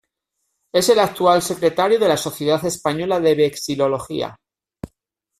Es el actual secretario de la Sociedad Española de Vexilología.